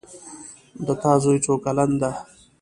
د تا زوی څو کلن ده